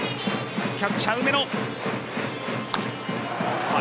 キャッチャー・梅野。